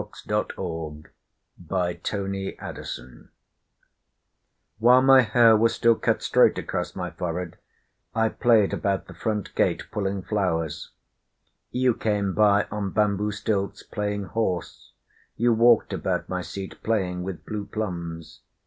D._ The River Merchant's Wife: a Letter While my hair was still cut straight across my forehead I played about the front gate, pulling flowers. You came by on bamboo stilts, playing horse, You walked about my seat, playing with blue plums.